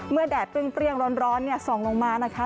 เมื่อแดดเปลื้องเปลี้ยงร้อนเนี่ยส่องลงมานะคะ